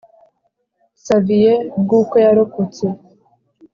Xavier bw uko yarokotse